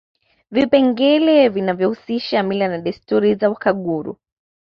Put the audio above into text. Vipengele vinavyohusisha mila na desturi za Wakaguru